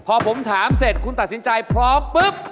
โอเค